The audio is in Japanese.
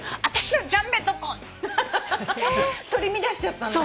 取り乱しちゃったんだ。